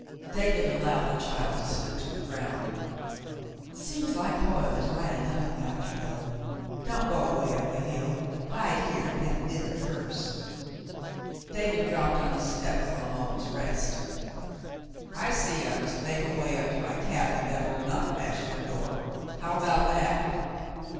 David allowed the child to slip to the ground. "Seems like Hoyle is right enough about you, though. Don't go away up the hill ; bide here and have dinner first." 122 The Mountain Girl David dropped on the step for a moment's rest. I see I must make a way up to my cabin that will not pass your door. How about that